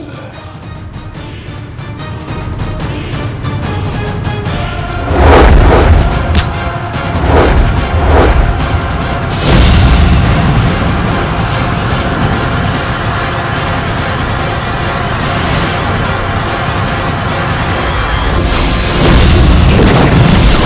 kami akan mengembalikan mereka